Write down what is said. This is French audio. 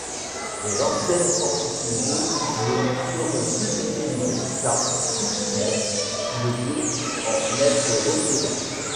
Les anciennes centrifugeuses ne seront plus utilisées car Stuxnet ne peut en être retiré.